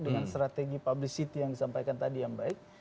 dengan strategi publicity yang disampaikan tadi yang baik